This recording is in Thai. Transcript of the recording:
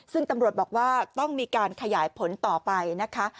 ซึ่งตำรวจบอกว่าต้องมีการขยายผลต่อไปนะคะ